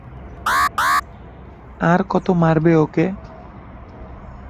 আর কত মারবে ওকে।